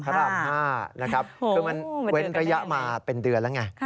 คือมันเว้นระยะมาเป็นเดือนแล้วไง